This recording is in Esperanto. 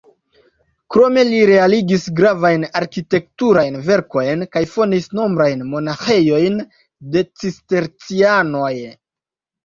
Krome li realigis gravajn arkitekturajn verkojn kaj fondis nombrajn monaĥejojn de Cistercianoj.